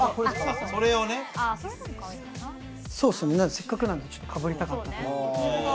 せっかくなんでかぶりたかった。